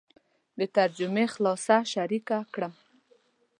د ترجمې خلاصه شریکه کړم.